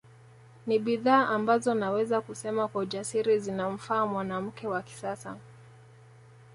Ni bidhaa ambazo naweza kusema kwa ujasiri zinamfaa mwanamke wa kisasa